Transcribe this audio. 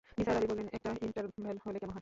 নিসার আলি বললেন, একটা ইন্টারভ্যাল হলে কেমন হয়।